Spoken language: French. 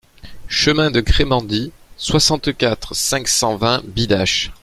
Chemin de Crémendy, soixante-quatre, cinq cent vingt Bidache